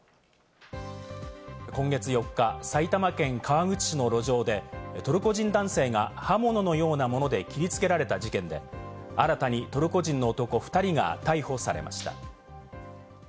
今月４日、埼玉県川口市の路上でトルコ人男性が刃物のようなもので切りつけられた事件で、新たにトルコ人の男２人が逮捕されました。